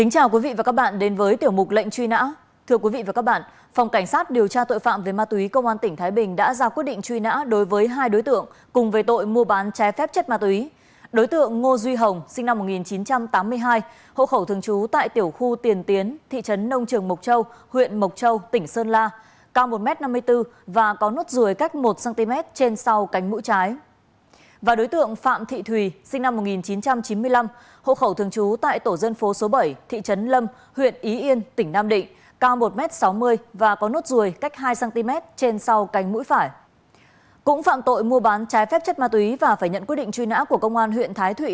hãy đăng ký kênh để ủng hộ kênh của chúng mình nhé